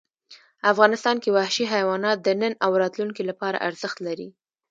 افغانستان کې وحشي حیوانات د نن او راتلونکي لپاره ارزښت لري.